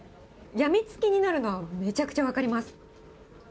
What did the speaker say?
病みつきになるのはめちゃくちゃ分かります。